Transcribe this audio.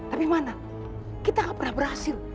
tapi mana kita gak pernah berhasil